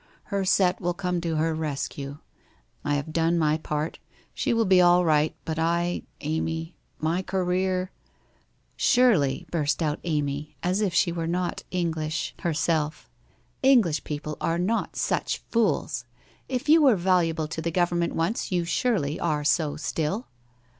Her set will come to her rescue. I have done my part. She will be all right, but I, Amy, my career '' Surely,' burst out Amy, as if she were not English WHITE HOSE OF WEARY LEAF hereelf, ' English people are not Buch fools! If you were valuable to the government once, you surely arc so still!'